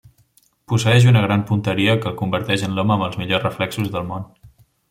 Posseeix una gran punteria que el converteix en l'home amb els millors reflexos del món.